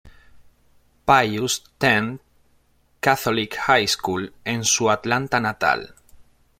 Pius X Catholic High School" en su Atlanta natal.